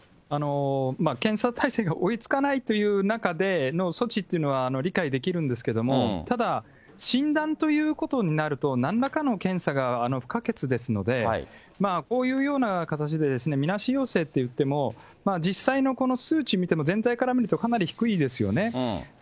検査体制が追いつかないという中での措置というのは理解できるんですけれども、ただ、診断ということになると、なんらかの検査が不可欠ですので、こういうような形で、みなし陽性っていっても、実際のこの数値見ても全体から見ると、かなり低いですよね。